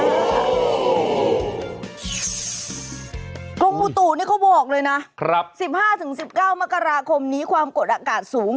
โรงบุตุนี่เขาบอกเลยนะสิบห้าถึงสิบเก้ามกราคมนี้ความกดอากาศสูง